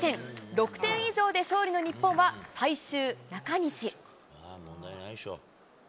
６点以上で勝利の日本は最終、中西。